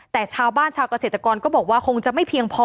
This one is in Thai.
แต่ชาวบ้านชาวเกษตรกรก็บอกว่าคงจะไม่เพียงพอ